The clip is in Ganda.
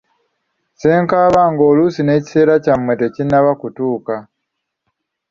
Ssenkaaba ng'oluusi n'ekiseera kyammwe tekinnaba kutuuka.